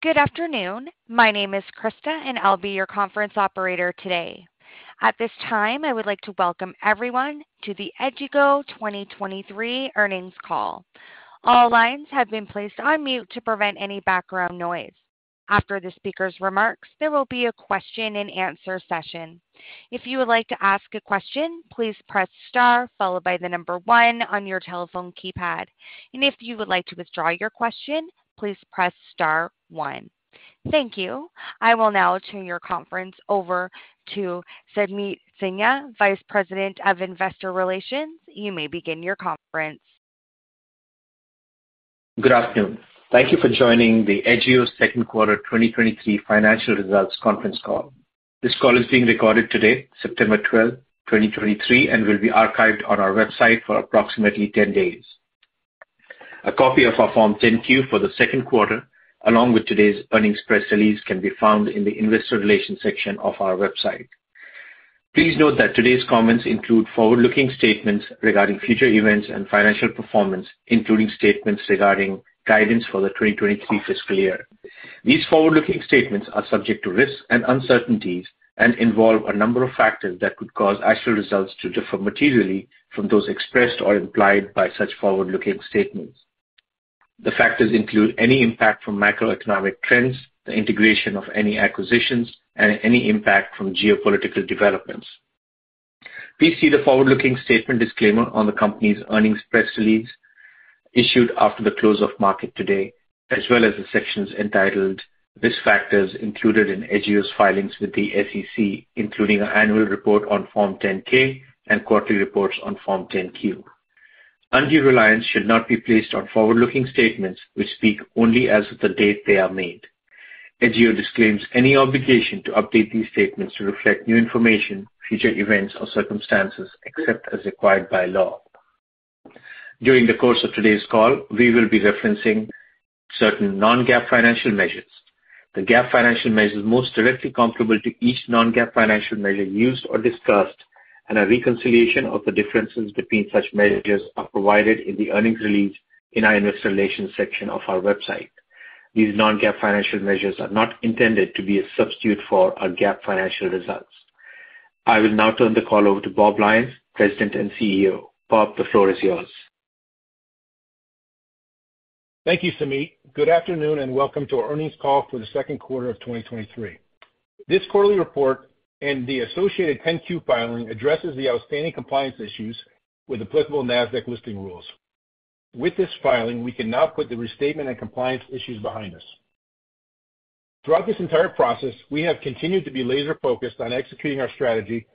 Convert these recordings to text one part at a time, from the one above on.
Good afternoon. My name is Krista, and I'll be your conference operator today. At this time, I would like to welcome everyone to the Edgio 2023 Earnings Call. All lines have been placed on mute to prevent any background noise. After the speaker's remarks, there will be a question-and-answer session. If you would like to ask a question, please press star, followed by the number one on your telephone keypad. If you would like to withdraw your question, please press star one. Thank you. I will now turn your conference over to Sameet Sinha, Vice President of Investor Relations. You may begin your conference. Good afternoon. Thank you for joining the Edgio Second Quarter 2023 Financial Results Conference Call. This call is being recorded today, September 12, 2023, and will be archived on our website for approximately 10 days. A copy of our Form 10-Q for the second quarter, along with today's earnings press release, can be found in the investor relations section of our website. Please note that today's comments include forward-looking statements regarding future events and financial performance, including statements regarding guidance for the 2023 fiscal year. These forward-looking statements are subject to risks and uncertainties and involve a number of factors that could cause actual results to differ materially from those expressed or implied by such forward-looking statements. The factors include any impact from macroeconomic trends, the integration of any acquisitions, and any impact from geopolitical developments. Please see the forward-looking statement disclaimer on the company's earnings press release issued after the close of market today, as well as the sections entitled "Risk Factors" included in Edgio's filings with the SEC, including our annual report on Form 10-K and quarterly reports on Form 10-Q. Undue reliance should not be placed on forward-looking statements, which speak only as of the date they are made. Edgio disclaims any obligation to update these statements to reflect new information, future events, or circumstances, except as required by law. During the course of today's call, we will be referencing certain non-GAAP financial measures. The GAAP financial measures most directly comparable to each non-GAAP financial measure used or discussed, and a reconciliation of the differences between such measures are provided in the earnings release in our investor relations section of our website. These non-GAAP financial measures are not intended to be a substitute for our GAAP financial results. I will now turn the call over to Bob Lyons, President and CEO. Bob, the floor is yours. Thank you, Sameet. Good afternoon, and welcome to our earnings call for the second quarter of 2023. This quarterly report and the associated 10-Q filing addresses the outstanding compliance issues with applicable NASDAQ listing rules. With this filing, we can now put the restatement and compliance issues behind us. Throughout this entire process, we have continued to be laser-focused on executing our strategy,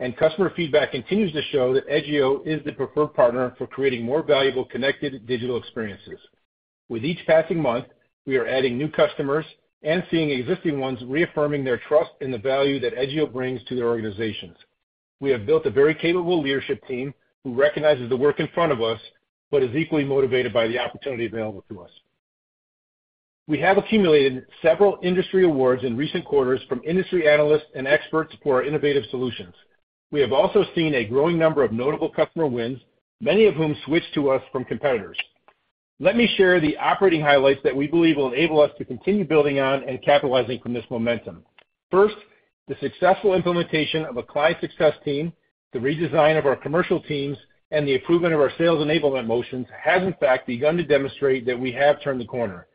and customer feedback continues to show that Edgio is the preferred partner for creating more valuable, connected digital experiences. With each passing month, we are adding new customers and seeing existing ones reaffirming their trust in the value that Edgio brings to their organizations. We have built a very capable leadership team who recognizes the work in front of us but is equally motivated by the opportunity available to us. We have accumulated several industry awards in recent quarters from industry analysts and experts for our innovative solutions. We have also seen a growing number of notable customer wins, many of whom switched to us from competitors. Let me share the operating highlights that we believe will enable us to continue building on and capitalizing from this momentum. First, the successful implementation of a client success team, the redesign of our commercial teams, and the improvement of our sales enablement motions has in fact begun to demonstrate that we have turned the corner.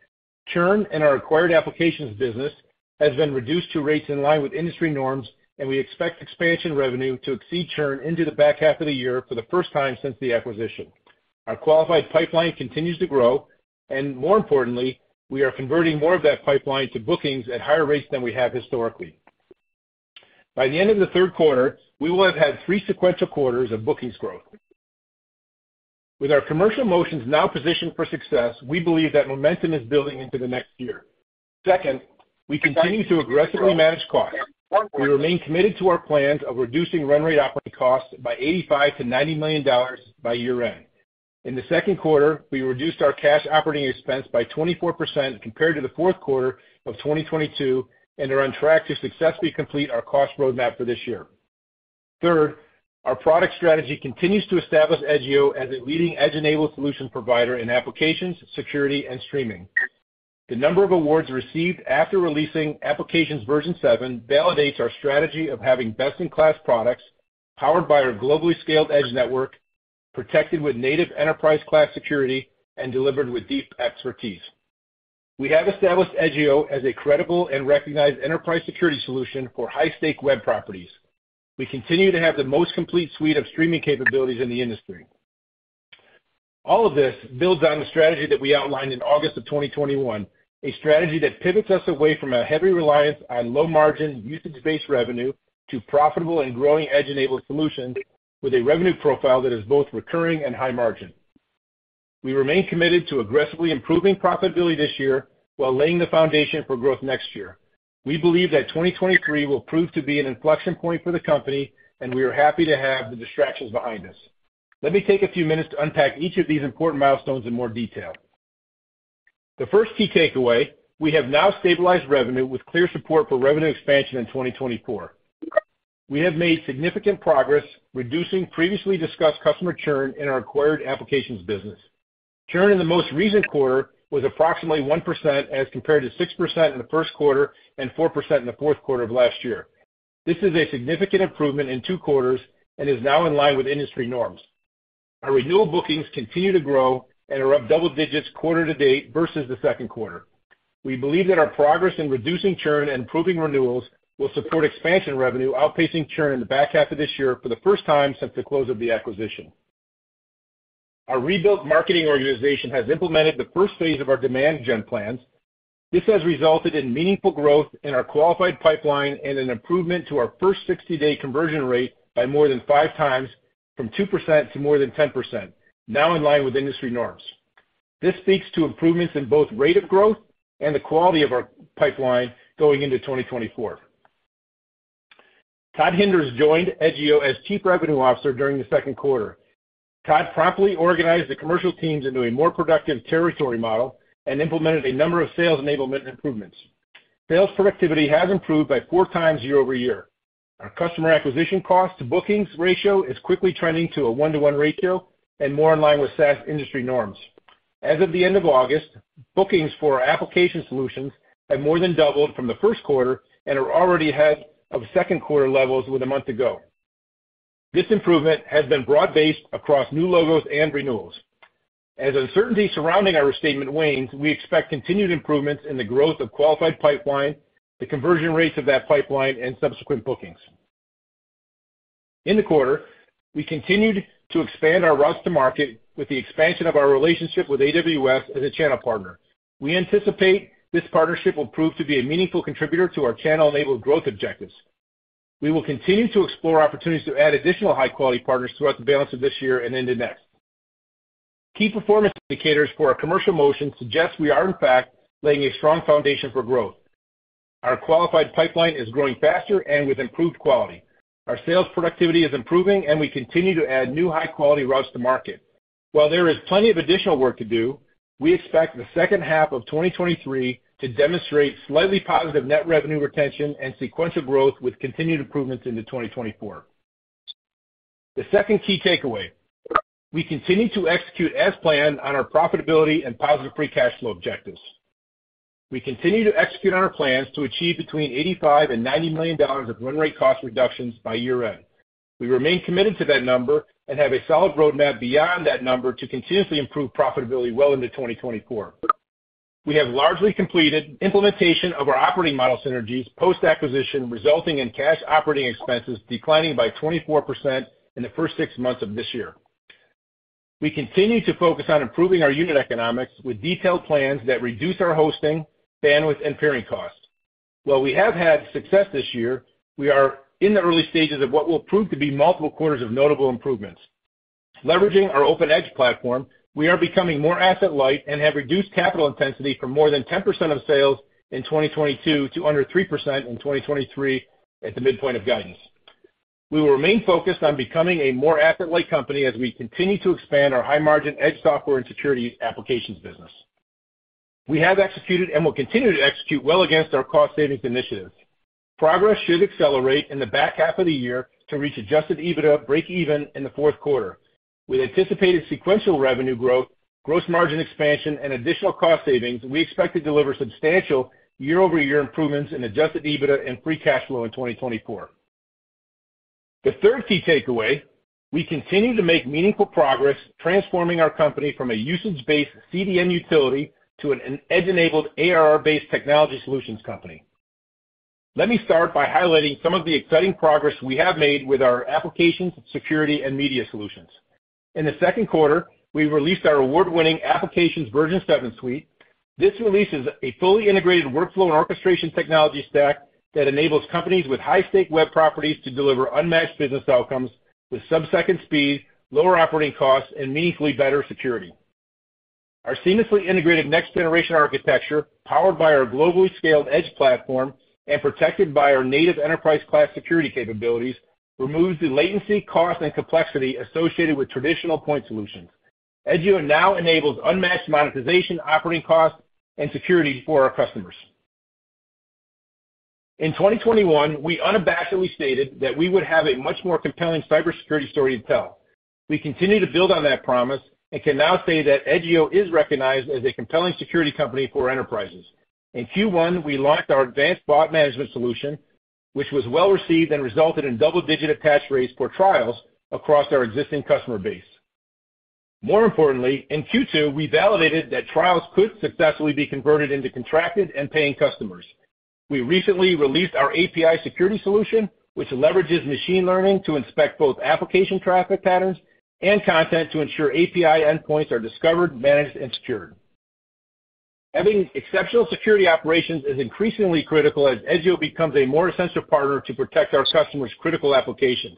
Churn in our acquired applications business has been reduced to rates in line with industry norms, and we expect expansion revenue to exceed churn into the back half of the year for the first time since the acquisition. Our qualified pipeline continues to grow, and more importantly, we are converting more of that pipeline to bookings at higher rates than we have historically. By the end of the third quarter, we will have had three sequential quarters of bookings growth. With our commercial motions now positioned for success, we believe that momentum is building into the next year. Second, we continue to aggressively manage costs. We remain committed to our plans of reducing run rate operating costs by $85 million-$90 million by year-end. In the second quarter, we reduced our cash operating expense by 24% compared to the fourth quarter of 2022 and are on track to successfully complete our cost roadmap for this year. Third, our product strategy continues to establish Edgio as a leading edge-enabled solution provider in applications, security, and streaming. The number of awards received after releasing Applications v7 validates our strategy of having best-in-class products powered by our globally scaled edge network, protected with native enterprise-class security, and delivered with deep expertise. We have established Edgio as a credible and recognized enterprise security solution for high-stakes web properties. We continue to have the most complete suite of streaming capabilities in the industry. All of this builds on the strategy that we outlined in August of 2021, a strategy that pivots us away from a heavy reliance on low-margin, usage-based revenue to profitable and growing edge-enabled solutions with a revenue profile that is both recurring and high margin. We remain committed to aggressively improving profitability this year while laying the foundation for growth next year. We believe that 2023 will prove to be an inflection point for the company, and we are happy to have the distractions behind us. Let me take a few minutes to unpack each of these important milestones in more detail. The first key takeaway, we have now stabilized revenue with clear support for revenue expansion in 2024. We have made significant progress reducing previously discussed customer churn in our acquired applications business. Churn in the most recent quarter was approximately 1%, as compared to 6% in the first quarter and 4% in the fourth quarter of last year. This is a significant improvement in two quarters and is now in line with industry norms. Our renewal bookings continue to grow and are up double digits quarter to date versus the second quarter. We believe that our progress in reducing churn and improving renewals will support expansion revenue outpacing churn in the back half of this year for the first time since the close of the acquisition. Our rebuilt marketing organization has implemented the first phase of our demand gen plans. This has resulted in meaningful growth in our qualified pipeline and an improvement to our first 60-day conversion rate by more than five times, from 2% to more than 10%, now in line with industry norms. This speaks to improvements in both rate of growth and the quality of our pipeline going into 2024. Todd Hinders joined Edgio as Chief Revenue Officer during the second quarter. Todd promptly organized the commercial teams into a more productive territory model and implemented a number of sales enablement improvements. Sales productivity has improved by four times year-over-year. Our customer acquisition cost to bookings ratio is quickly trending to a 1-to-1 ratio and more in line with SaaS industry norms. As of the end of August, bookings for our application solutions have more than doubled from the first quarter and are already ahead of second quarter levels with a month to go. This improvement has been broad-based across new logos and renewals. As uncertainty surrounding our restatement wanes, we expect continued improvements in the growth of qualified pipeline, the conversion rates of that pipeline, and subsequent bookings. In the quarter, we continued to expand our routes to market with the expansion of our relationship with AWS as a channel partner. We anticipate this partnership will prove to be a meaningful contributor to our channel-enabled growth objectives. We will continue to explore opportunities to add additional high-quality partners throughout the balance of this year and into next. Key performance indicators for our commercial motion suggest we are, in fact, laying a strong foundation for growth. Our qualified pipeline is growing faster and with improved quality. Our sales productivity is improving, and we continue to add new high-quality routes to market. While there is plenty of additional work to do, we expect the second half of 2023 to demonstrate slightly positive net revenue retention and sequential growth, with continued improvements into 2024. The second key takeaway, we continue to execute as planned on our profitability and positive free cash flow objectives. We continue to execute on our plans to achieve between $85 million and $90 million of run rate cost reductions by year-end. We remain committed to that number and have a solid roadmap beyond that number to continuously improve profitability well into 2024. We have largely completed implementation of our operating model synergies post-acquisition, resulting in cash operating expenses declining by 24% in the first six months of this year. We continue to focus on improving our unit economics with detailed plans that reduce our hosting, bandwidth, and peering costs. While we have had success this year, we are in the early stages of what will prove to be multiple quarters of notable improvements. Leveraging our Open Edge platform, we are becoming more asset-light and have reduced capital intensity from more than 10% of sales in 2022 to under 3% in 2023 at the midpoint of guidance. We will remain focused on becoming a more asset-light company as we continue to expand our high-margin edge software and security applications business. We have executed and will continue to execute well against our cost savings initiatives. Progress should accelerate in the back half of the year to reach adjusted EBITDA break-even in the fourth quarter. With anticipated sequential revenue growth, gross margin expansion, and additional cost savings, we expect to deliver substantial year-over-year improvements in adjusted EBITDA and free cash flow in 2024. The third key takeaway: we continue to make meaningful progress transforming our company from a usage-based CDN utility to an edge-enabled ARR-based technology solutions company. Let me start by highlighting some of the exciting progress we have made with our applications, security, and media solutions. In the second quarter, we released our award-winning Applications v7 suite. This release is a fully integrated workflow and orchestration technology stack that enables companies with high-stakes web properties to deliver unmatched business outcomes with sub-second speed, lower operating costs, and meaningfully better security. Our seamlessly integrated next-generation architecture, powered by our globally scaled Edge platform and protected by our native enterprise-class security capabilities, removes the latency, cost, and complexity associated with traditional point solutions. Edgio now enables unmatched monetization, operating costs, and security for our customers. In 2021, we unabashedly stated that we would have a much more compelling cybersecurity story to tell. We continue to build on that promise and can now say that Edgio is recognized as a compelling security company for enterprises. In Q1, we launched our advanced Bot Management solution, which was well received and resulted in double-digit attach rates for trials across our existing customer base. More importantly, in Q2, we validated that trials could successfully be converted into contracted and paying customers. We recently released our API security solution, which leverages machine learning to inspect both application traffic patterns and content to ensure API endpoints are discovered, managed, and secured. Having exceptional security operations is increasingly critical as Edgio becomes a more essential partner to protect our customers' critical applications.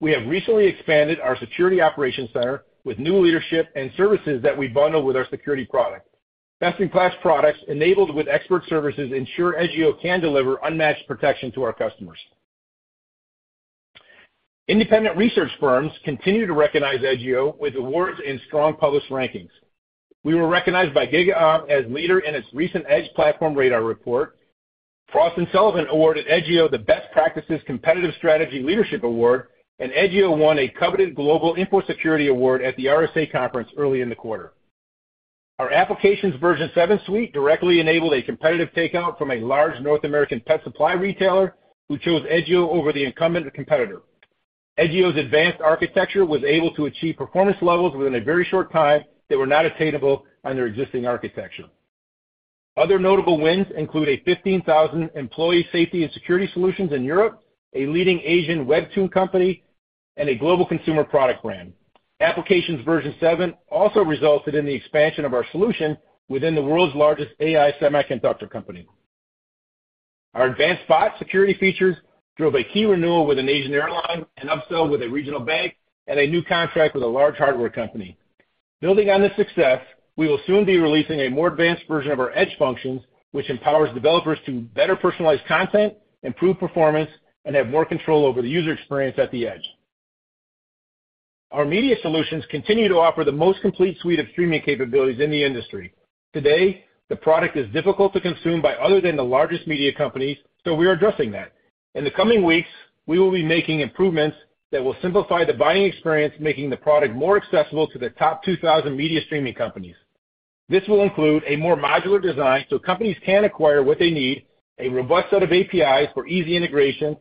We have recently expanded our security operations center with new leadership and services that we bundle with our security product. Best-in-class products enabled with expert services ensure Edgio can deliver unmatched protection to our customers. Independent research firms continue to recognize Edgio with awards and strong published rankings. We were recognized by GigaOm as leader in its recent Edge Platform Radar Report. Frost & Sullivan awarded Edgio the Best Practices Competitive Strategy Leadership Award, and Edgio won a coveted Global Info Security Award at the RSA Conference early in the quarter. Our Applications Version Seven suite directly enabled a competitive takeout from a large North American pet supply retailer, who chose Edgio over the incumbent competitor. Edgio's advanced architecture was able to achieve performance levels within a very short time that were not attainable on their existing architecture. Other notable wins include a 15,000-employee safety and security solutions in Europe, a leading Asian webtoon company, and a global consumer product brand. Applications Version Seven also resulted in the expansion of our solution within the world's largest AI semiconductor company. Our advanced bot security features drove a key renewal with an Asian airline, an upsell with a regional bank, and a new contract with a large hardware company. Building on this success, we will soon be releasing a more advanced version of our edge functions, which empowers developers to better personalize content, improve performance, and have more control over the user experience at the edge. Our media solutions continue to offer the most complete suite of streaming capabilities in the industry. Today, the product is difficult to consume by other than the largest media companies, so we are addressing that. In the coming weeks, we will be making improvements that will simplify the buying experience, making the product more accessible to the top 2,000 media streaming companies. This will include a more modular design so companies can acquire what they need, a robust set of APIs for easy integration,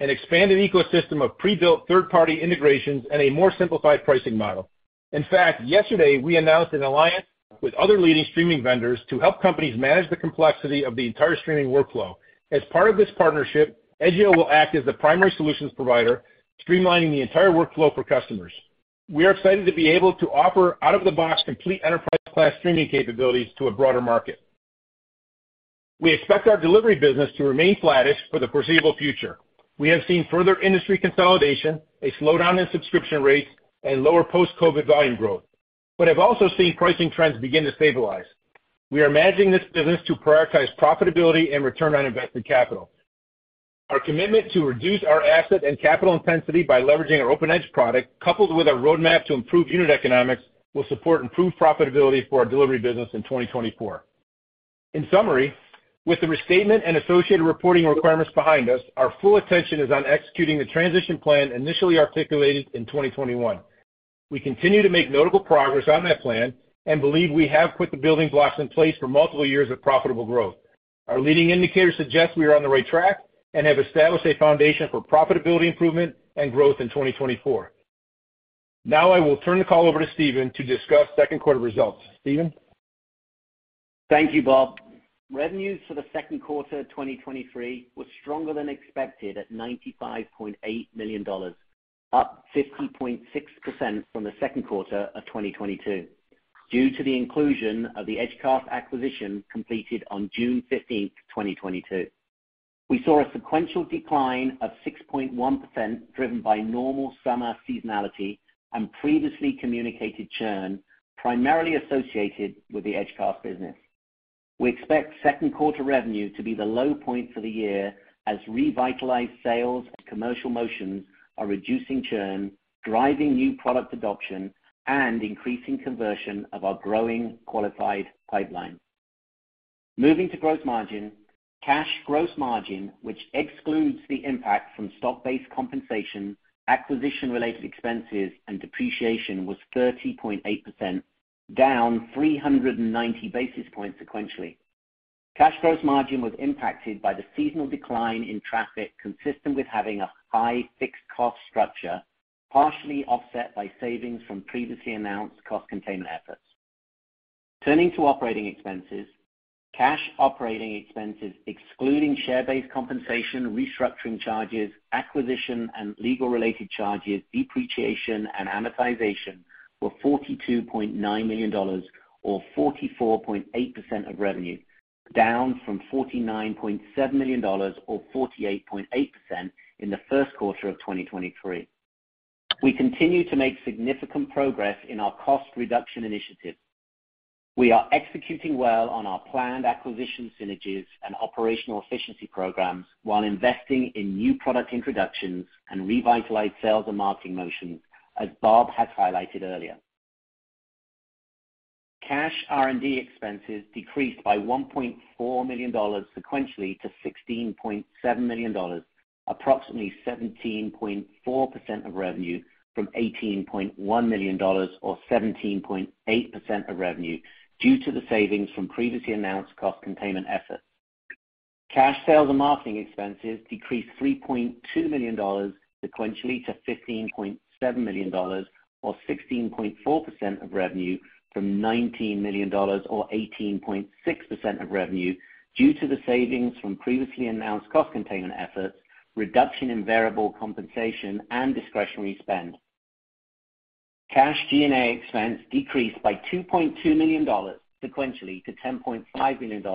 an expanded ecosystem of pre-built third-party integrations, and a more simplified pricing model. In fact, yesterday, we announced an alliance with other leading streaming vendors to help companies manage the complexity of the entire streaming workflow. As part of this partnership, Edgio will act as the primary solutions provider, streamlining the entire workflow for customers. We are excited to be able to offer out-of-the-box, complete enterprise-class streaming capabilities to a broader market. We expect our delivery business to remain flattish for the foreseeable future. We have seen further industry consolidation, a slowdown in subscription rates, and lower post-COVID volume growth, but I've also seen pricing trends begin to stabilize. We are managing this business to prioritize profitability and return on invested capital. Our commitment to reduce our asset and capital intensity by leveraging our Open Edge product, coupled with our roadmap to improve unit economics, will support improved profitability for our delivery business in 2024. In summary, with the restatement and associated reporting requirements behind us, our full attention is on executing the transition plan initially articulated in 2021. We continue to make notable progress on that plan and believe we have put the building blocks in place for multiple years of profitable growth. Our leading indicators suggest we are on the right track and have established a foundation for profitability, improvement, and growth in 2024. Now I will turn the call over to Stephen to discuss second quarter results. Stephen? Thank you, Bob. Revenues for the second quarter of 2023 were stronger than expected at $95.8 million, up 50.6% from the second quarter of 2022. Due to the inclusion of the Edgecast acquisition, completed on June 15th, 2022. We saw a sequential decline of 6.1%, driven by normal summer seasonality and previously communicated churn, primarily associated with the Edgecast business. We expect second quarter revenue to be the low point for the year as revitalized sales and commercial motions are reducing churn, driving new product adoption, and increasing conversion of our growing qualified pipeline. Moving to gross margin. Cash gross margin, which excludes the impact from stock-based compensation, acquisition-related expenses, and depreciation, was 30.8%, down 390 basis points sequentially. Cash gross margin was impacted by the seasonal decline in traffic, consistent with having a high fixed cost structure, partially offset by savings from previously announced cost containment efforts. Turning to operating expenses. Cash operating expenses, excluding share-based compensation, restructuring charges, acquisition and legal-related charges, depreciation, and amortization, were $42.9 million or 44.8% of revenue, down from $49.7 million, or 48.8% in the first quarter of 2023. We continue to make significant progress in our cost reduction initiatives. We are executing well on our planned acquisition synergies and operational efficiency programs, while investing in new product introductions and revitalize sales and marketing motions, as Bob had highlighted earlier. Cash R&D expenses decreased by $1.4 million sequentially to $16.7 million, approximately 17.4% of revenue, from $18.1 million, or 17.8% of revenue, due to the savings from previously announced cost containment efforts. Cash sales and marketing expenses decreased $3.2 million sequentially to $15.7 million, or 16.4% of revenue, from $19 million or 18.6% of revenue, due to the savings from previously announced cost containment efforts, reduction in variable compensation, and discretionary spend. Cash G&A expense decreased by $2.2 million sequentially to $10.5 million,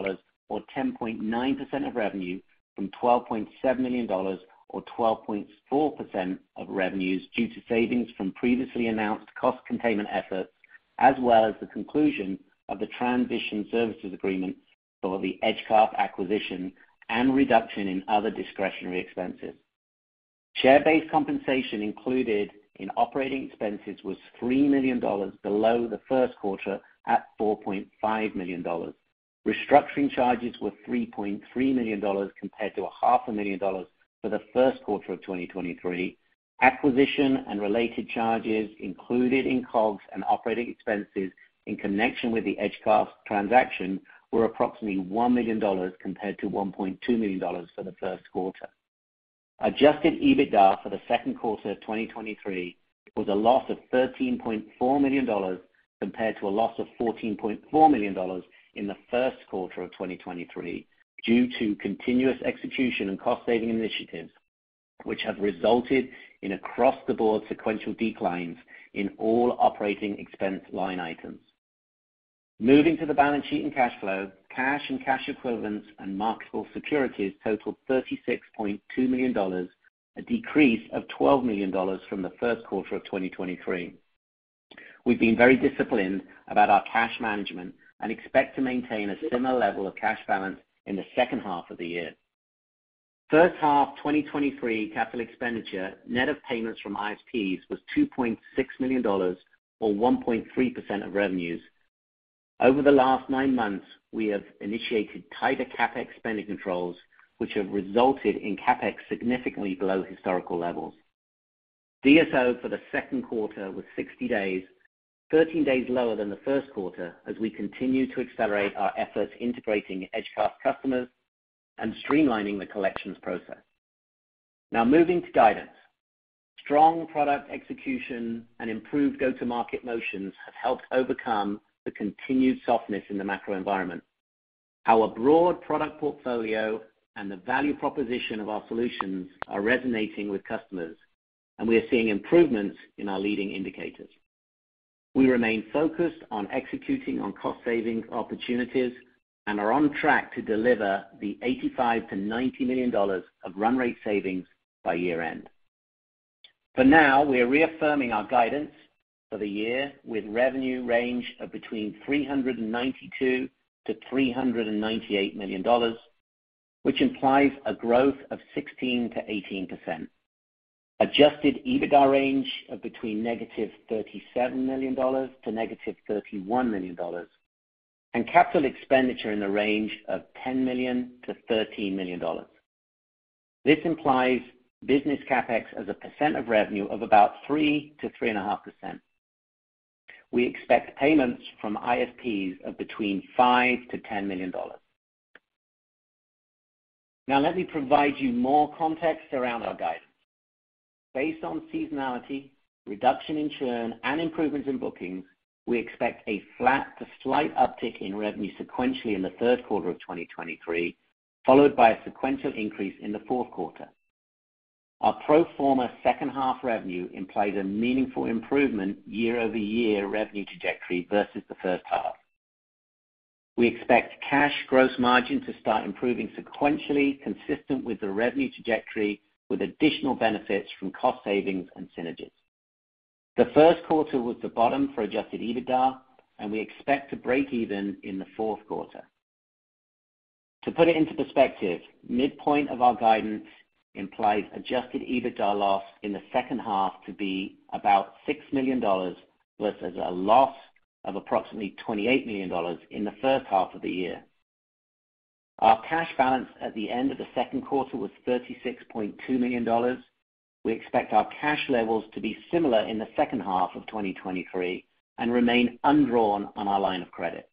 or 10.9% of revenue, from $12.7 million or 12.4% of revenues due to savings from previously announced cost containment efforts-... as well as the conclusion of the transition services agreement for the Edgecast acquisition and reduction in other discretionary expenses. Share-based compensation included in operating expenses was $3 million below the first quarter at $4.5 million. Restructuring charges were $3.3 million compared to $500,000 for the first quarter of 2023. Acquisition and related charges included in COGS and operating expenses in connection with the Edgecast transaction were approximately $1 million, compared to $1.2 million for the first quarter. Adjusted EBITDA for the second quarter of 2023 was a loss of $13.4 million, compared to a loss of $14.4 million in the first quarter of 2023, due to continuous execution and cost-saving initiatives, which have resulted in across-the-board sequential declines in all operating expense line items. Moving to the balance sheet and cash flow. Cash and cash equivalents and marketable securities totaled $36.2 million, a decrease of $12 million from the first quarter of 2023. We've been very disciplined about our cash management and expect to maintain a similar level of cash balance in the second half of the year. First half 2023 capital expenditure, net of payments from ISPs, was $2.6 million, or 1.3% of revenues. Over the last 9 months, we have initiated tighter CapEx spending controls, which have resulted in CapEx significantly below historical levels. DSO for the second quarter was 60 days, 13 days lower than the first quarter, as we continue to accelerate our efforts integrating Edgecast customers and streamlining the collections process. Now, moving to guidance. Strong product execution and improved go-to-market motions have helped overcome the continued softness in the macro environment. Our broad product portfolio and the value proposition of our solutions are resonating with customers, and we are seeing improvements in our leading indicators. We remain focused on executing on cost savings opportunities and are on track to deliver the $85 million-$90 million of run rate savings by year-end. For now, we are reaffirming our guidance for the year with revenue range of between $392 million to $398 million, which implies a growth of 16%-18%. Adjusted EBITDA range of between -$37 million to -$31 million, and capital expenditure in the range of $10 million-$13 million. This implies business CapEx as a percent of revenue of about 3%-3.5%. We expect payments from ISPs of between $5-$10 million. Now, let me provide you more context around our guidance. Based on seasonality, reduction in churn, and improvements in bookings, we expect a flat to slight uptick in revenue sequentially in the third quarter of 2023, followed by a sequential increase in the fourth quarter. Our pro forma second half revenue implies a meaningful improvement year-over-year revenue trajectory versus the first half. We expect cash gross margin to start improving sequentially, consistent with the revenue trajectory, with additional benefits from cost savings and synergies. The first quarter was the bottom for adjusted EBITDA, and we expect to break even in the fourth quarter. To put it into perspective, midpoint of our guidance implies adjusted EBITDA loss in the second half to be about $6 million, versus a loss of approximately $28 million in the first half of the year. Our cash balance at the end of the second quarter was $36.2 million. We expect our cash levels to be similar in the second half of 2023 and remain undrawn on our line of credit.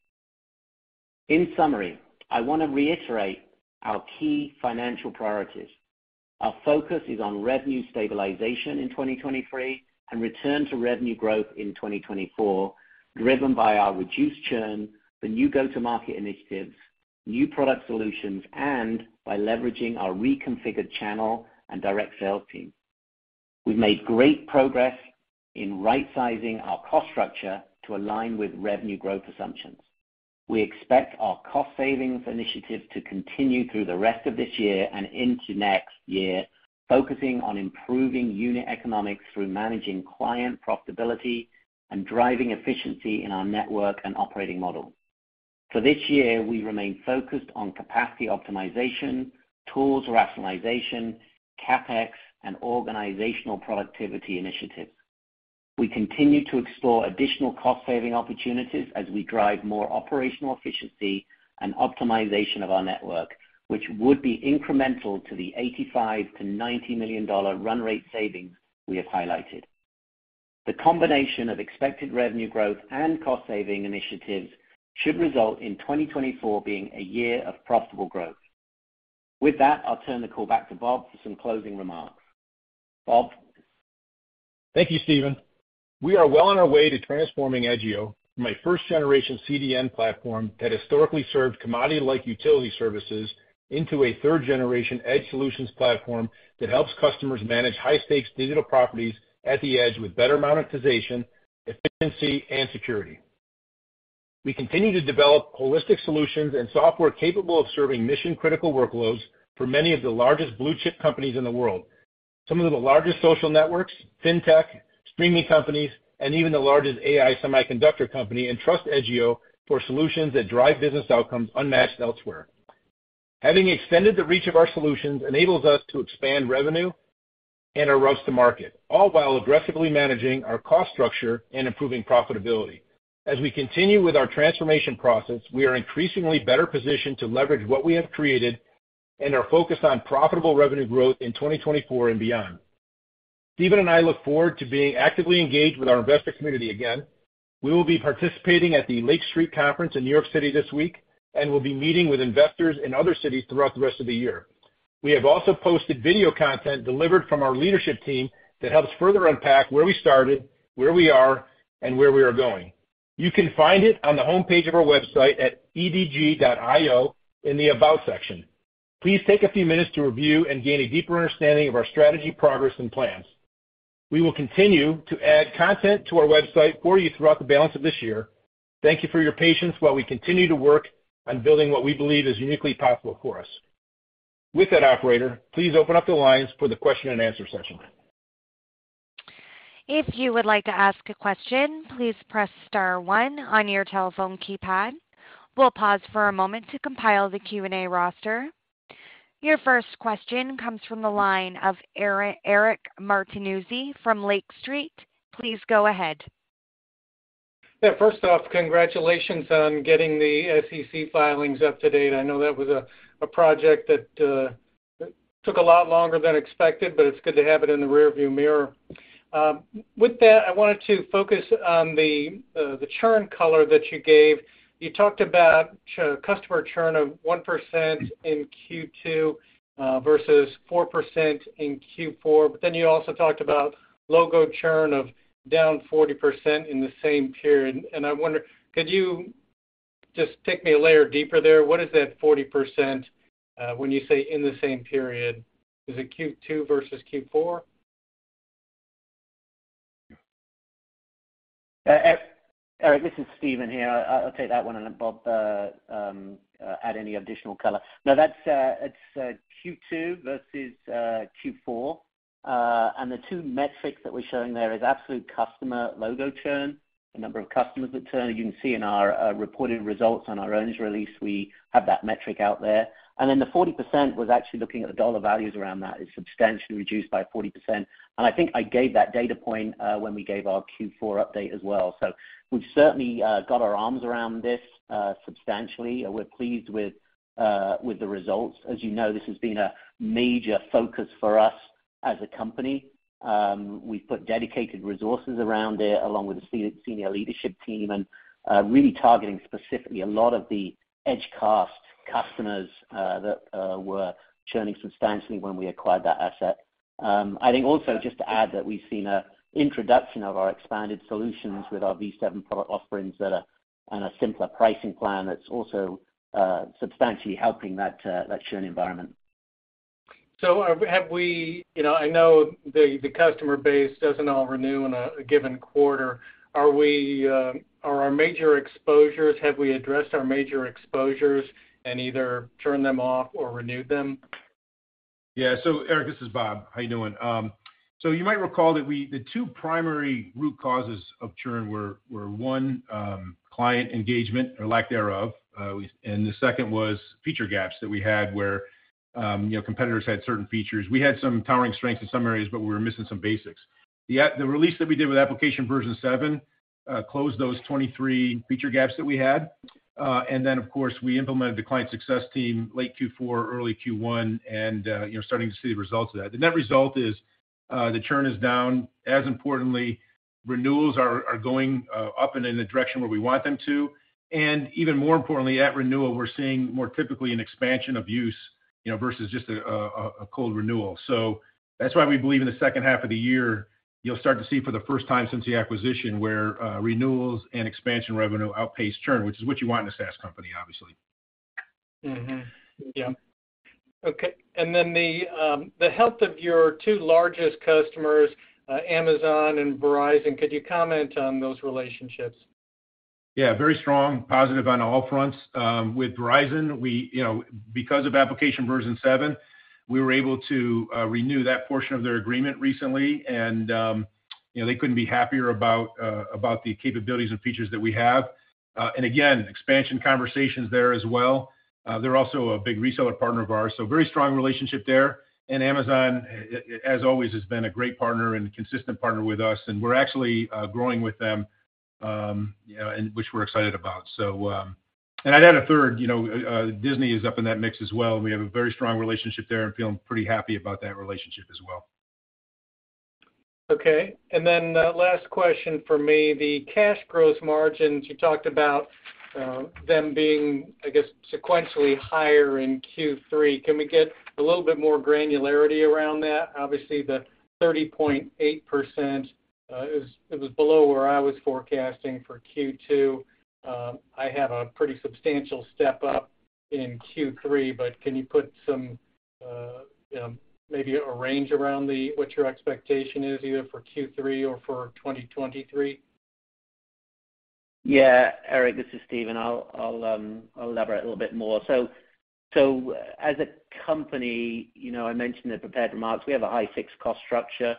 In summary, I want to reiterate our key financial priorities. Our focus is on revenue stabilization in 2023 and return to revenue growth in 2024, driven by our reduced churn, the new go-to-market initiatives, new product solutions, and by leveraging our reconfigured channel and direct sales team. We've made great progress in right-sizing our cost structure to align with revenue growth assumptions. We expect our cost savings initiatives to continue through the rest of this year and into next year, focusing on improving unit economics through managing client profitability and driving efficiency in our network and operating model. For this year, we remain focused on capacity optimization, tools rationalization, CapEx, and organizational productivity initiatives. We continue to explore additional cost-saving opportunities as we drive more operational efficiency and optimization of our network, which would be incremental to the $85 million-$90 million run rate savings we have highlighted. The combination of expected revenue growth and cost saving initiatives should result in 2024 being a year of profitable growth. With that, I'll turn the call back to Bob for some closing remarks. Bob? Thank you, Stephen. We are well on our way to transforming Edgio from a first-generation CDN platform that historically served commodity-like utility services, into a third-generation edge solutions platform that helps customers manage high-stakes digital properties at the edge with better monetization, efficiency, and security.... We continue to develop holistic solutions and software capable of serving mission-critical workloads for many of the largest blue-chip companies in the world. Some of the largest social networks, fintech, streaming companies, and even the largest AI semiconductor company, and trust Edgio for solutions that drive business outcomes unmatched elsewhere. Having extended the reach of our solutions enables us to expand revenue and our routes to market, all while aggressively managing our cost structure and improving profitability. As we continue with our transformation process, we are increasingly better positioned to leverage what we have created and are focused on profitable revenue growth in 2024 and beyond. Stephen and I look forward to being actively engaged with our investor community again. We will be participating at the Lake Street Conference in New York City this week, and we'll be meeting with investors in other cities throughout the rest of the year. We have also posted video content delivered from our leadership team that helps further unpack where we started, where we are, and where we are going. You can find it on the homepage of our website at edg.io in the About section. Please take a few minutes to review and gain a deeper understanding of our strategy, progress, and plans. We will continue to add content to our website for you throughout the balance of this year. Thank you for your patience while we continue to work on building what we believe is uniquely possible for us. With that, operator, please open up the lines for the question and answer session. If you would like to ask a question, please press star one on your telephone keypad. We'll pause for a moment to compile the Q&A roster. Your first question comes from the line of Eric, Eric Martinuzzi from Lake Street. Please go ahead. Yeah, first off, congratulations on getting the SEC filings up to date. I know that was a project that took a lot longer than expected, but it's good to have it in the rearview mirror. With that, I wanted to focus on the churn color that you gave. You talked about customer churn of 1% in Q2 versus 4% in Q4, but then you also talked about logo churn of down 40% in the same period. And I wonder, could you just take me a layer deeper there? What is that 40% when you say in the same period, is it Q2 versus Q4? Eric, this is Steven here. I'll take that one, and Bob, add any additional color. No, that's it, Q2 versus Q4. And the two metrics that we're showing there is absolute customer logo churn, the number of customers that churn. You can see in our reported results on our earnings release, we have that metric out there. And then the 40% was actually looking at the dollar values around that. It's substantially reduced by 40%, and I think I gave that data point when we gave our Q4 update as well. So we've certainly got our arms around this substantially, and we're pleased with the results. As you know, this has been a major focus for us as a company. We've put dedicated resources around it, along with the senior leadership team, and really targeting specifically a lot of the Edgecast customers that were churning substantially when we acquired that asset. I think also just to add that we've seen an introduction of our expanded solutions with our V7 product offerings that are on a simpler pricing plan that's also substantially helping that churn environment. So, have we? You know, I know the customer base doesn't all renew in a given quarter. Are we, our major exposures, have we addressed our major exposures and either turned them off or renewed them? Yeah. So, Eric, this is Bob. How you doing? So you might recall that we—the two primary root causes of churn were one, client engagement or lack thereof. And the second was feature gaps that we had, where, you know, competitors had certain features. We had some towering strengths in some areas, but we were missing some basics. The release that we did with Applications v7 closed those 23 feature gaps that we had. And then, of course, we implemented the client success team late Q4, early Q1, and, you know, starting to see the results of that. The net result is, the churn is down. As importantly, renewals are going up and in the direction where we want them to. And even more importantly, at renewal, we're seeing more typically an expansion of use, you know, versus just a cold renewal. So that's why we believe in the second half of the year, you'll start to see, for the first time since the acquisition, where renewals and expansion revenue outpace churn, which is what you want in a SaaS company, obviously. Mm-hmm. Yeah. Okay, and then the health of your two largest customers, Amazon and Verizon, could you comment on those relationships? Yeah, very strong, positive on all fronts. With Verizon, we, you know, because of Applications v7, we were able to renew that portion of their agreement recently, and, you know, they couldn't be happier about about the capabilities and features that we have. And again, expansion conversations there as well. They're also a big reseller partner of ours, so a very strong relationship there. And Amazon, as always, has been a great partner and consistent partner with us, and we're actually growing with them, you know, and which we're excited about. And I'd add a third, you know, Disney is up in that mix as well, and we have a very strong relationship there and feeling pretty happy about that relationship as well. Okay, and then the last question for me, the gross margins, you talked about them being, I guess, sequentially higher in Q3. Can we get a little bit more granularity around that? Obviously, the 30.8%, it was below where I was forecasting for Q2. I have a pretty substantial step up in Q3, but can you put some-... you know, maybe a range around the, what your expectation is, either for Q3 or for 2023? Yeah, Eric, this is Stephen. I'll elaborate a little bit more. So as a company, you know, I mentioned the prepared remarks. We have a high fixed cost structure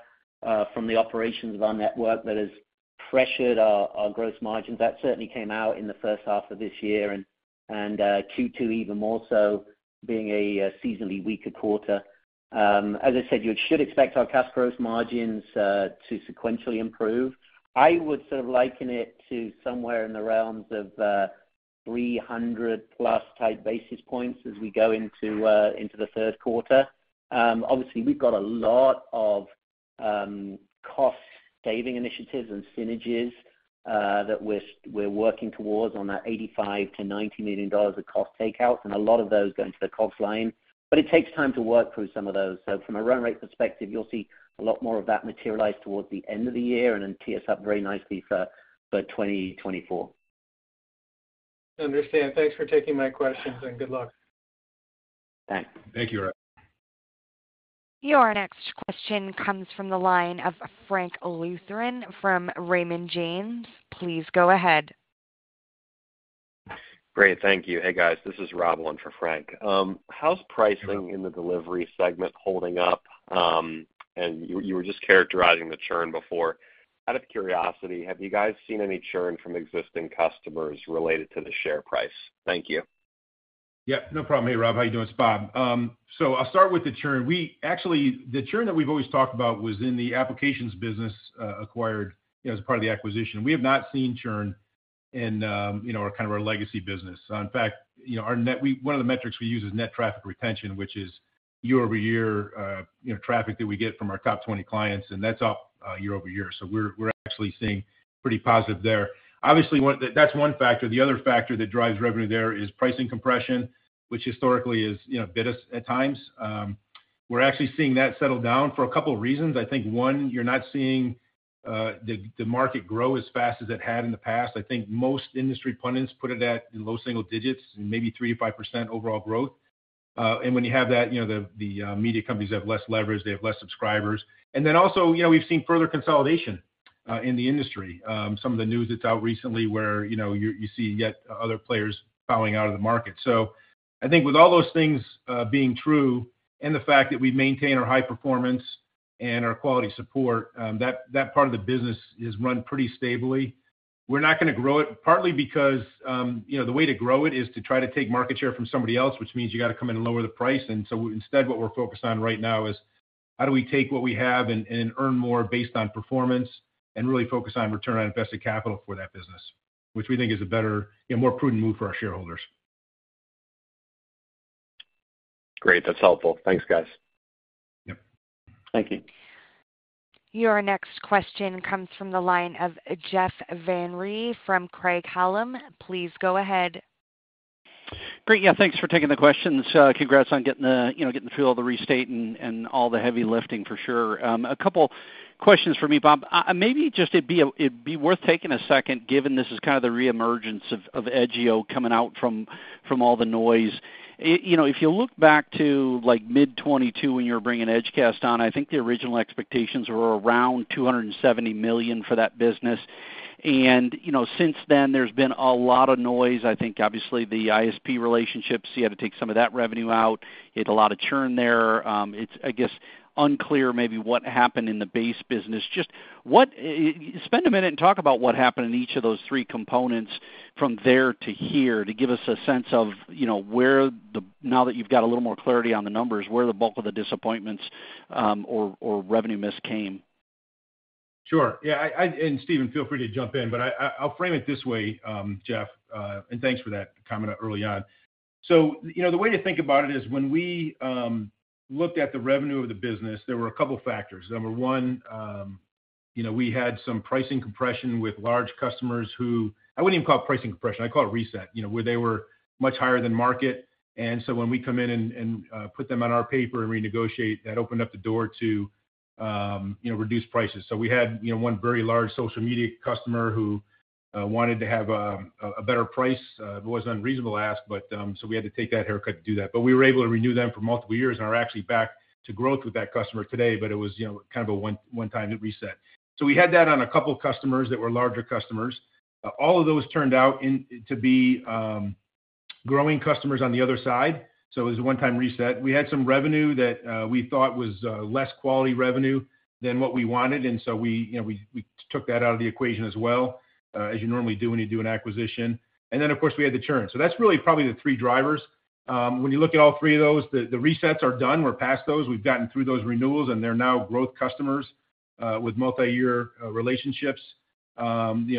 from the operations of our network that has pressured our gross margins. That certainly came out in the first half of this year, and Q2 even more so, being a seasonally weaker quarter. As I said, you should expect our cash gross margins to sequentially improve. I would sort of liken it to somewhere in the realms of 300+ tight basis points as we go into the third quarter. Obviously, we've got a lot of cost-saving initiatives and synergies that we're working towards on that $85 million-$90 million of cost takeouts, and a lot of those go into the cost line, but it takes time to work through some of those. So from a run rate perspective, you'll see a lot more of that materialize towards the end of the year and then tee us up very nicely for 2024. Understood. Thanks for taking my questions, and good luck. Thanks. Thank you, Eric. Your next question comes from the line of Frank Louthan from Raymond James. Please go ahead. Great. Thank you. Hey, guys, this is Rob, on for Frank. How's pricing- Hello. In the delivery segment holding up? And you were just characterizing the churn before. Out of curiosity, have you guys seen any churn from existing customers related to the share price? Thank you. Yeah, no problem. Hey, Rob, how you doing? It's Bob. So I'll start with the churn. Actually, the churn that we've always talked about was in the applications business, acquired, as part of the acquisition. We have not seen churn in, you know, kind of our legacy business. So in fact, you know, one of the metrics we use is net traffic retention, which is year-over-year, you know, traffic that we get from our top 20 clients, and that's up, year-over-year. So we're, we're actually seeing pretty positive there. Obviously, that's one factor. The other factor that drives revenue there is pricing compression, which historically is, you know, bit us at times. We're actually seeing that settle down for a couple of reasons. I think, one, you're not seeing the market grow as fast as it had in the past. I think most industry pundits put it at in low single digits, maybe 3%-5% overall growth. And when you have that, you know, the media companies have less leverage, they have less subscribers. And then also, you know, we've seen further consolidation in the industry. Some of the news that's out recently where, you know, you see yet other players falling out of the market. So I think with all those things being true and the fact that we maintain our high performance and our quality support, that part of the business is run pretty stably. We're not gonna grow it, partly because, you know, the way to grow it is to try to take market share from somebody else, which means you got to come in and lower the price. And so instead, what we're focused on right now is: how do we take what we have and earn more based on performance and really focus on return on invested capital for that business, which we think is a better and more prudent move for our shareholders. Great, that's helpful. Thanks, guys. Yep. Thank you. Your next question comes from the line of Jeff Van Rhee from Craig-Hallum. Please go ahead. Great, yeah, thanks for taking the questions. Congrats on getting the, you know, getting through all the restate and, and all the heavy lifting for sure. A couple questions for me, Bob. Maybe just it'd be worth taking a second, given this is kind of the reemergence of Edgio coming out from all the noise. You know, if you look back to, like, mid-2022, when you were bringing Edgecast on, I think the original expectations were around $270 million for that business. And, you know, since then there's been a lot of noise. I think obviously, the ISP relationships, you had to take some of that revenue out. You had a lot of churn there. It's, I guess, unclear maybe what happened in the base business. Just what... Spend a minute and talk about what happened in each of those three components from there to here, to give us a sense of, you know, where the bulk of the disappointments or revenue miss came? Sure. Yeah, and Steven, feel free to jump in, but I'll frame it this way, Jeff, and thanks for that comment early on. So you know, the way to think about it is when we looked at the revenue of the business, there were a couple of factors. Number one, you know, we had some pricing compression with large customers who... I wouldn't even call it pricing compression, I'd call it reset. You know, where they were much higher than market, and so when we come in and put them on our paper and renegotiate, that opened up the door to, you know, reduce prices. So we had, you know, one very large social media customer who wanted to have a better price. It was an unreasonable ask, but so we had to take that haircut to do that. But we were able to renew them for multiple years and are actually back to growth with that customer today, but it was, you know, kind of a one-time reset. So we had that on a couple of customers that were larger customers. All of those turned out to be growing customers on the other side. So it was a one-time reset. We had some revenue that we thought was less quality revenue than what we wanted, and so we, you know, took that out of the equation as well, as you normally do when you do an acquisition. And then, of course, we had the churn. So that's really probably the three drivers. When you look at all three of those, the resets are done. We're past those. We've gotten through those renewals, and they're now growth customers with multi-year relationships. You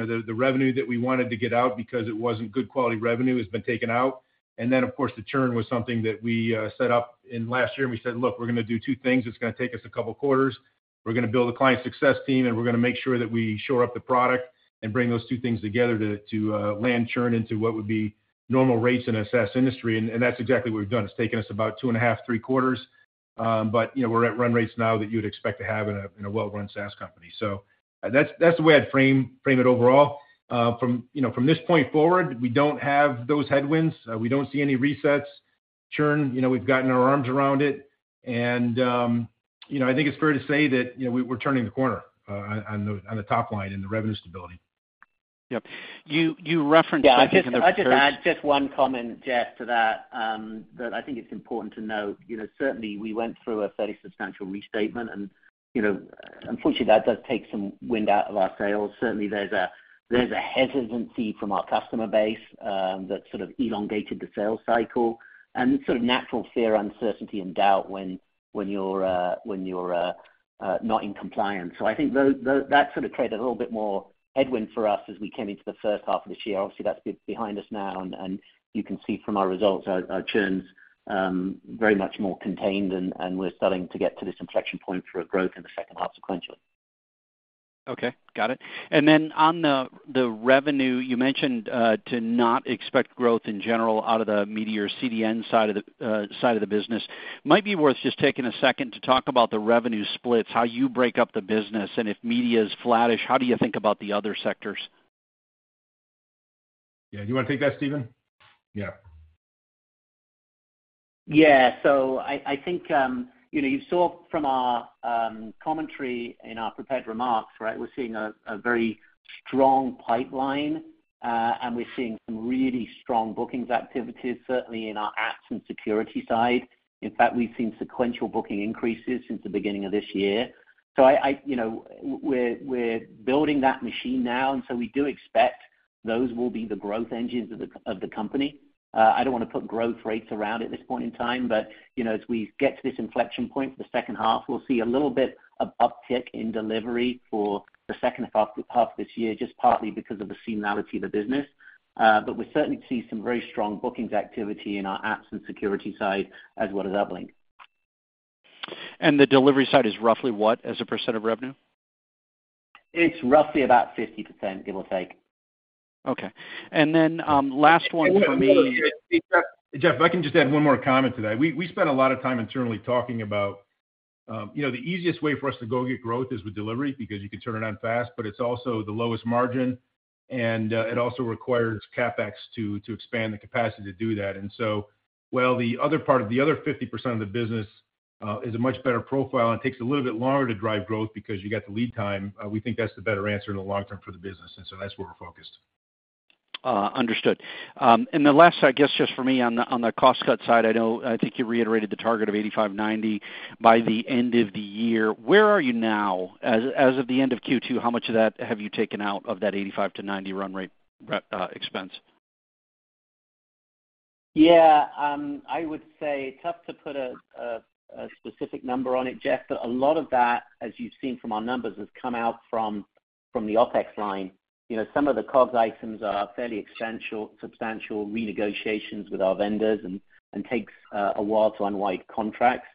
know, the revenue that we wanted to get out because it wasn't good quality revenue has been taken out. And then, of course, the churn was something that we set up in last year, and we said: Look, we're gonna do two things. It's gonna take us a couple of quarters. We're gonna build a client success team, and we're gonna make sure that we shore up the product and bring those two things together to land churn into what would be normal rates in a SaaS industry. And that's exactly what we've done. It's taken us about 2.5, three quarters, but, you know, we're at run rates now that you'd expect to have in a, in a well-run SaaS company. So that's, that's the way I'd frame, frame it overall. From, you know, from this point forward, we don't have those headwinds. We don't see any resets, churn, you know, we've gotten our arms around it, and, you know, I think it's fair to say that, you know, we, we're turning the corner, on, on the, on the top line in the revenue stability. Yep. You, you referenced- Yeah, I'd just add just one comment, Jeff, to that that I think it's important to note. You know, certainly, we went through a fairly substantial restatement, and, you know, unfortunately, that does take some wind out of our sails. Certainly, there's a hesitancy from our customer base that sort of elongated the sales cycle and sort of natural fear, uncertainty, and doubt when you're not in compliance. So I think that sort of created a little bit more headwind for us as we came into the first half of this year. Obviously, that's behind us now, and you can see from our results, our churns very much more contained and we're starting to get to this inflection point for growth in the second half sequentially. Okay, got it. Then on the revenue, you mentioned to not expect growth in general out of the media or CDN side of the business. Might be worth just taking a second to talk about the revenue splits, how you break up the business, and if media is flattish, how do you think about the other sectors? Yeah, do you wanna take that, Stephen? Yeah. Yeah. So I think, you know, you saw from our commentary in our prepared remarks, right? We're seeing a very strong pipeline, and we're seeing some really strong bookings activities, certainly in our apps and security side. In fact, we've seen sequential booking increases since the beginning of this year. So you know, we're building that machine now, and so we do expect those will be the growth engines of the company. I don't wanna put growth rates around at this point in time, but, you know, as we get to this inflection point for the second half, we'll see a little bit of uptick in delivery for the second half, half of this year, just partly because of the seasonality of the business. We're certainly seeing some very strong bookings activity in our apps and security side, as well as Uplynk. The delivery side is roughly what, as a percent of revenue? It's roughly about 50%, give or take. Okay. And then, last one for me- Jeff, if I can just add one more comment to that. We spent a lot of time internally talking about, you know, the easiest way for us to go get growth is with delivery, because you can turn it on fast, but it's also the lowest margin, and it also requires CapEx to expand the capacity to do that. And so, while the other part, the other 50% of the business, is a much better profile and takes a little bit longer to drive growth because you got the lead time, we think that's the better answer in the long term for the business, and so that's where we're focused. Understood. And the last, I guess, just for me on the cost cut side, I know, I think you reiterated the target of $85-$90 by the end of the year. Where are you now? As of the end of Q2, how much of that have you taken out of that $85-$90 run rate expense? Yeah, I would say, tough to put a specific number on it, Jeff, but a lot of that, as you've seen from our numbers, has come out from, from the OpEx line. You know, some of the COGS items are fairly substantial renegotiations with our vendors and takes a while to unwind contracts.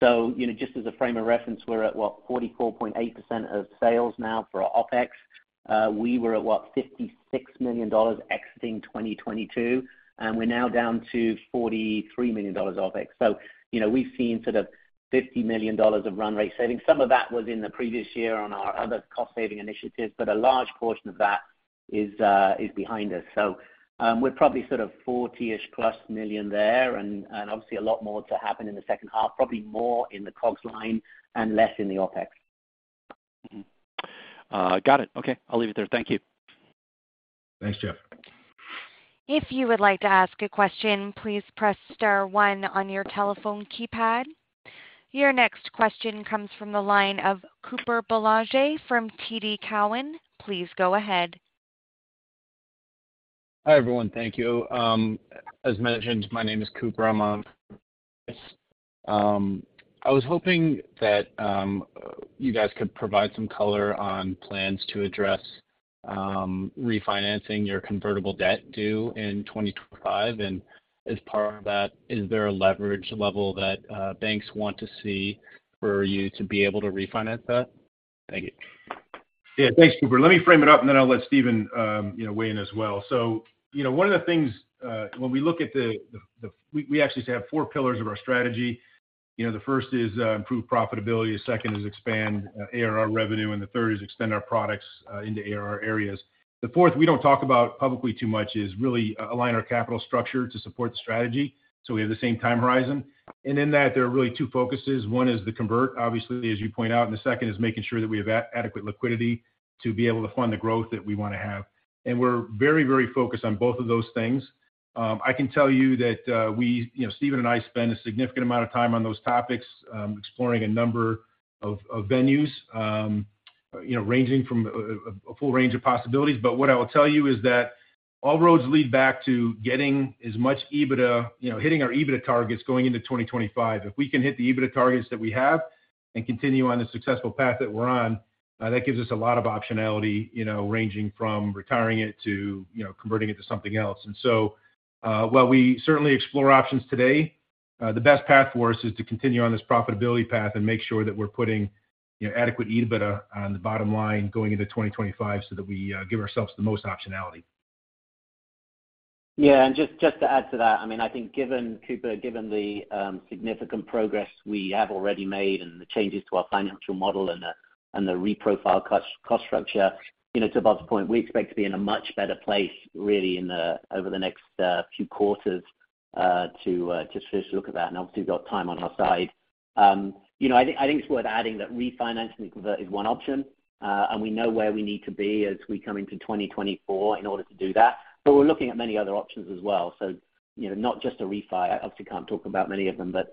So, you know, just as a frame of reference, we're at, what, 44.8% of sales now for our OpEx. We were at, what, $56 million exiting 2022, and we're now down to $43 million OpEx. So, you know, we've seen sort of $50 million of run rate savings. Some of that was in the previous year on our other cost-saving initiatives, but a large portion of that is behind us. So, we're probably sort of $40+ million there, and obviously a lot more to happen in the second half, probably more in the COGS line and less in the OpEx. Mm-hmm. Got it. Okay, I'll leave it there. Thank you. Thanks, Jeff. If you would like to ask a question, please press star one on your telephone keypad. Your next question comes from the line of Cooper Belanger from TD Cowen. Please go ahead. Hi, everyone. Thank you. As mentioned, my name is Cooper. I was hoping that you guys could provide some color on plans to address refinancing your convertible debt due in 2025, and as part of that, is there a leverage level that banks want to see for you to be able to refinance that? Thank you. Yeah, thanks, Cooper. Let me frame it up, and then I'll let Stephen, you know, weigh in as well. So, you know, one of the things, when we look at the, we actually have four pillars of our strategy. You know, the first is, improve profitability, the second is expand ARR revenue, and the third is extend our products into ARR areas. The fourth, we don't talk about publicly too much, is really align our capital structure to support the strategy, so we have the same time horizon. And in that, there are really two focuses. One is the convert, obviously, as you point out, and the second is making sure that we have adequate liquidity to be able to fund the growth that we wanna have. And we're very, very focused on both of those things. I can tell you that, we, you know, Stephen and I spend a significant amount of time on those topics, exploring a number of venues, you know, ranging from a full range of possibilities. But what I will tell you is that all roads lead back to getting as much EBITDA, you know, hitting our EBITDA targets going into 2025. If we can hit the EBITDA targets that we have and continue on the successful path that we're on, that gives us a lot of optionality, you know, ranging from retiring it to, you know, converting it to something else. And so, while we certainly explore options today, the best path for us is to continue on this profitability path and make sure that we're putting, you know, adequate EBITDA on the bottom line going into 2025 so that we give ourselves the most optionality. Yeah, and just to add to that, I mean, I think given, Cooper, the significant progress we have already made and the changes to our financial model and the reprofiled cost structure, you know, to Bob's point, we expect to be in a much better place, really, over the next few quarters to first look at that, and obviously, we've got time on our side. You know, I think it's worth adding that refinancing the convert is one option, and we know where we need to be as we come into 2024 in order to do that. But we're looking at many other options as well, so, you know, not just a refi. I obviously can't talk about many of them, but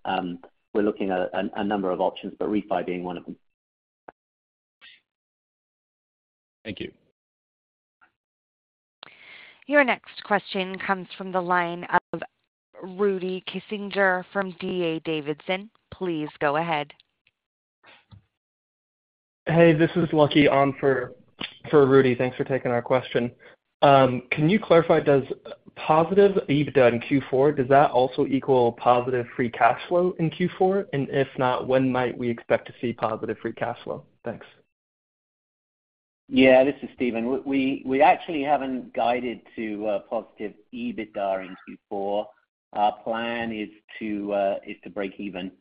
we're looking at a number of options, but refi being one of them. Thank you. Your next question comes from the line of Rudy Kessinger from D.A. Davidson. Please go ahead. Hey, this is Lucky on for Rudy. Thanks for taking our question. Can you clarify, does positive EBITDA in Q4, does that also equal positive free cash flow in Q4? And if not, when might we expect to see positive free cash flow? Thanks. Yeah, this is Stephen. We actually haven't guided to positive EBITDA in Q4. Our plan is to break even.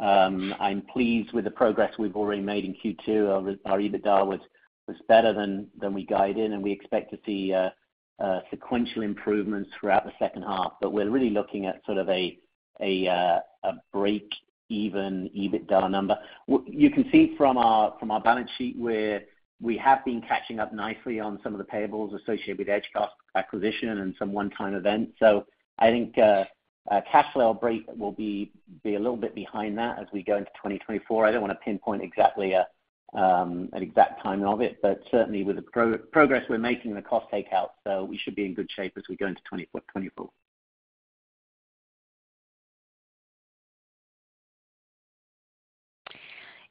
I'm pleased with the progress we've already made in Q2. Our EBITDA was better than we guided, and we expect to see sequential improvements throughout the second half. But we're really looking at sort of a breakeven EBITDA number. You can see from our balance sheet, where we have been catching up nicely on some of the payables associated with Edgecast acquisition and some one-time events. So I think cash flow breakeven will be a little bit behind that as we go into 2024. I don't wanna pinpoint exactly an exact timing of it, but certainly with the progress we're making in the cost takeout, so we should be in good shape as we go into 2024.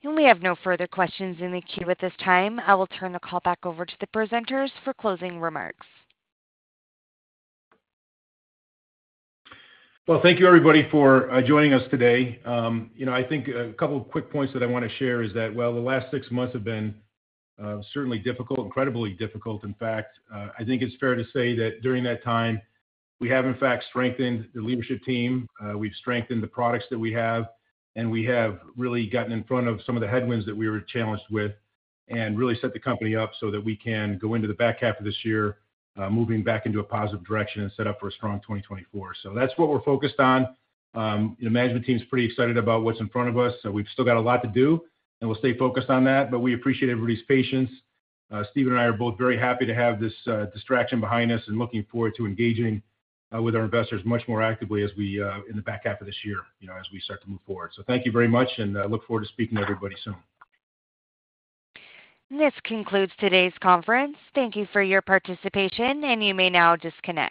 And we have no further questions in the queue at this time. I will turn the call back over to the presenters for closing remarks. Well, thank you, everybody, for joining us today. You know, I think a couple of quick points that I wanna share is that, while the last six months have been certainly difficult, incredibly difficult, in fact, I think it's fair to say that during that time, we have, in fact, strengthened the leadership team, we've strengthened the products that we have, and we have really gotten in front of some of the headwinds that we were challenged with and really set the company up so that we can go into the back half of this year, moving back into a positive direction and set up for a strong 2024. So that's what we're focused on. The management team is pretty excited about what's in front of us, so we've still got a lot to do, and we'll stay focused on that, but we appreciate everybody's patience. Stephen and I are both very happy to have this distraction behind us and looking forward to engaging with our investors much more actively as we in the back half of this year, you know, as we start to move forward. So thank you very much, and I look forward to speaking to everybody soon. This concludes today's conference. Thank you for your participation, and you may now disconnect.